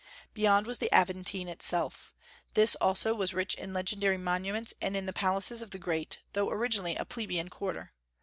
Beyond was the Aventine itself. This also was rich in legendary monuments and in the palaces of the great, though originally a plebeian quarter.